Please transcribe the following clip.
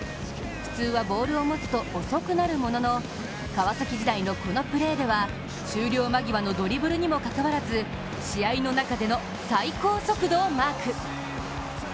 普通はボールを持つと遅くなるものの川崎時代のこのプレーでは終了間際のドリブルにもかかわらず試合の中での最高速度をマーク。